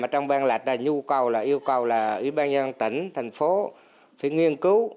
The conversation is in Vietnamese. trong ban lạch yêu cầu là ủy ban nhân dân tỉnh thành phố phải nghiên cứu